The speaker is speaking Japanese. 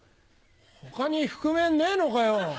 他に覆面ねえのかよ！